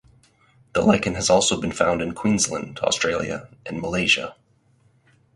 The lichen has also been found in Queensland (Australia) and Malaysia.